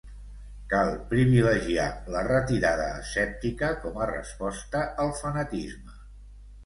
Cal privilegiar la retirada escèptica com a resposta al fanatisme.